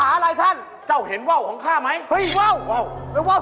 นี่ไงแก้วหน้าเจ๊ทำไมเป็นแก้วหน้าม้า